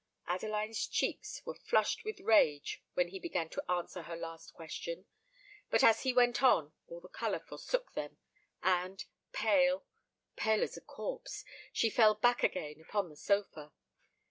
Adeline's cheeks were flushed with rage when he began to answer her last question; but as he went on, all the colour forsook them; and, pale—pale as a corpse, she fell back again upon the sofa.